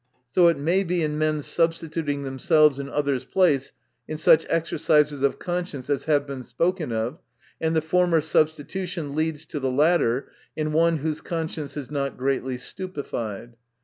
So it may be in men's substituting themselves in others' place in such exercises of con science as have been spoken of; and the former substitution leads to the latter, in one whose conscience is not greatly stupified.